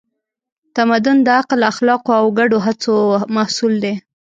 تمدن د عقل، اخلاقو او ګډو هڅو محصول دی.